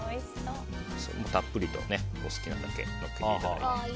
たっぷりとお好きなだけのっけていただいて。